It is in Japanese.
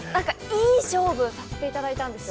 いい勝負をさせていただいたんです。